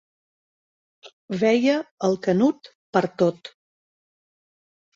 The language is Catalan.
Veia el Canut pertot.